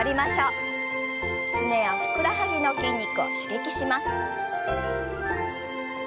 すねやふくらはぎの筋肉を刺激します。